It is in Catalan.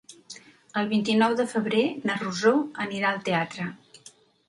El vint-i-nou de febrer na Rosó anirà al teatre.